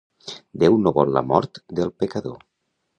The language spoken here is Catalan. Déu no vol la mort del pecador.